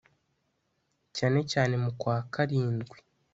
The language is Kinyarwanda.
cyane cyane mu kwa karindwi